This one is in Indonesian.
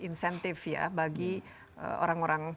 insentif ya bagi orang orang